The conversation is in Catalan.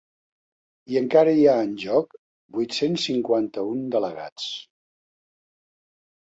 I encara hi ha en joc vuit-cents cinquanta-un delegats.